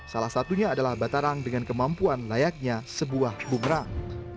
salah satunya adalah batarang dengan kemampuan layaknya sebuah bumerang